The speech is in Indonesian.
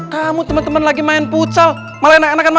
kamu temen temen lagi main pucal malah enakan makan mie